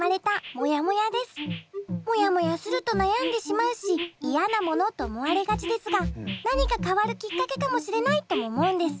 もやもやすると悩んでしまうし嫌なものと思われがちですが何か変わるきっかけかもしれないとも思うんです。